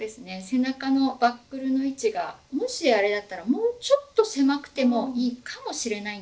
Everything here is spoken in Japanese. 背中のバックルの位置がもしあれだったらもうちょっと狭くてもいいかもしれないんですけど。